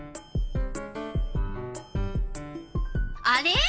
あれ？